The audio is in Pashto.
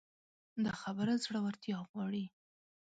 دا خبره زړورتيا غواړي.